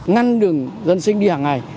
ngăn đường dân sinh đi hàng ngày